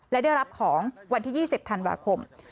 และได้รับของวันที่๒๐ธันวาคม